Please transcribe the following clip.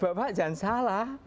bapak jangan salah